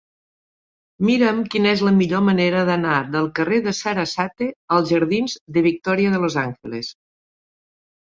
Mira'm quina és la millor manera d'anar del carrer de Sarasate als jardins de Victoria de los Ángeles.